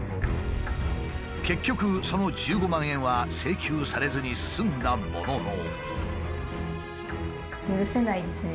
結局その１５万円は請求されずに済んだものの。